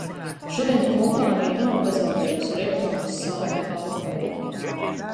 Šodien kompānija nav pazaudējusi reklāmas saukļu autoru.